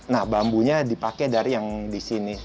nah bambunya dipakai dari yang di sini